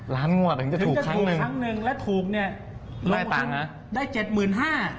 ล้านงวดถึงจะถูกครั้งหนึ่ง